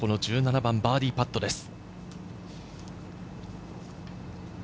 １７番、バーディーパットです。